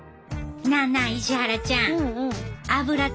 なあなあ石原ちゃん